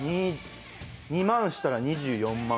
２万したら２４万。